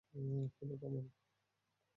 Hello, থামুন।